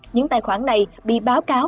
những tài khoản này bị báo cáo